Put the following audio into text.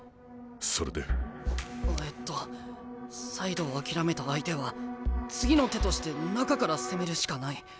えっとサイドを諦めた相手は次の手として中から攻めるしかない。